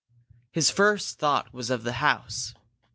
His first thought was of the house.